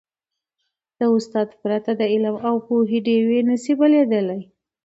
د استاد پرته، د علم او پوهې ډېوي نه سي بلېدلی.